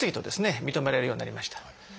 認められるようになりました。